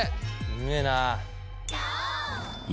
うめえな。